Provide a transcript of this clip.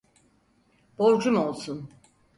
Borcum olsun.